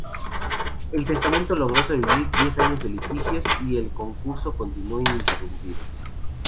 El testamento logró sobrevivir diez años de litigios, y el concurso continuó ininterrumpido.